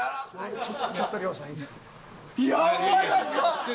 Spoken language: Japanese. ちょっと亮さんいいですか？やわらかっ！